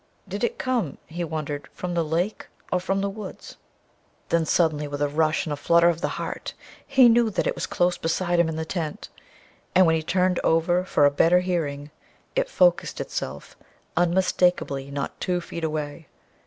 Did it come, he wondered, from the lake, or from the woods?... Then, suddenly, with a rush and a flutter of the heart, he knew that it was close beside him in the tent; and, when he turned over for a better hearing, it focused itself unmistakably not two feet away.